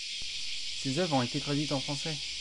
Ses oeuvres ont été traduites en français.